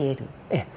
ええ。